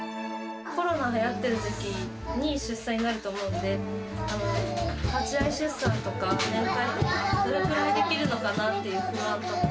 コロナはやっているときに出産になると思うんで、立ち会い出産とか面会とか、どれくらいできるのかなっていう不安とか。